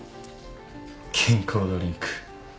健康ドリンク